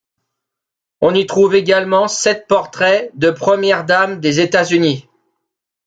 On y trouve également sept portraits de premières dames des États-Unis.